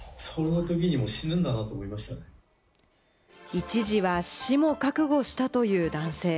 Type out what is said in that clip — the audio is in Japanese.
一時は死も覚悟したという男性。